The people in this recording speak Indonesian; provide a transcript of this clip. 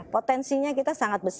potensinya kita sangat besar